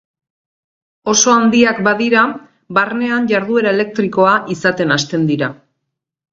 Oso handiak badira, barnean jarduera elektrikoa izaten hasten dira.